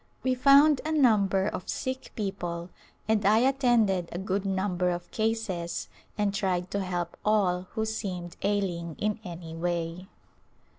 We found a number of sick people and I attended a good number of cases and tried to help all who seemed ailing in any way.